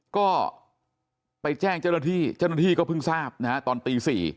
ก็ไปแจ้งเจ้าหน้าที่เจ้าหน้าที่ก็เพิ่งทราบนะฮะตอนตี๔